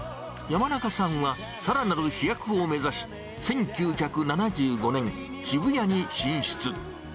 山中さんはさらなる飛躍を目指し、１９７５年、渋谷に進出。